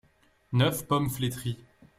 Neuf pommes flétries.